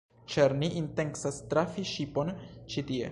Ĉar ni intencas trafi ŝipon ĉi tie